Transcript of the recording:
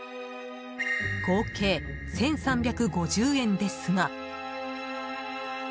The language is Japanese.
合計１３５０円ですが。